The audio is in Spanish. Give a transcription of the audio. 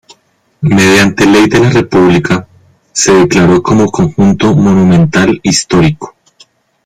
Mediante Ley de la República, se declaró como conjunto monumental histórico.